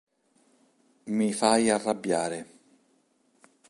Mi fai arrabbiare.